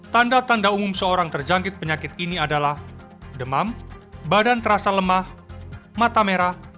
tanda tanda umum seorang terjangkit penyakit ini adalah demam badan terasa lemah mata merah